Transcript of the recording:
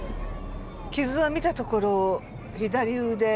傷は見たところ左腕